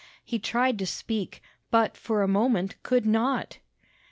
He tried to speak, but, for a moment, could not.